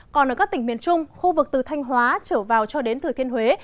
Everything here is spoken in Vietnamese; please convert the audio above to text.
còn ở các tỉnh miền trung khu vực từ thanh hóa trở vào cho đến thừa thiên huế